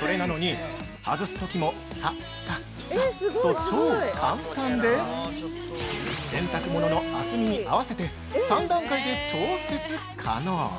それなのに、外すときもさささっと超簡単で、洗濯物の厚みに合わせて３段階で調節可能。